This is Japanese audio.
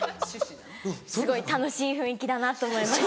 すごい楽しい雰囲気だなと思います。